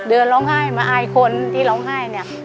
ร้องไห้มาอายคนที่ร้องไห้เนี่ย